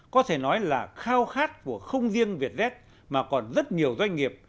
có thể nói là khao khát của không riêng vietjet mà còn rất nhiều doanh nghiệp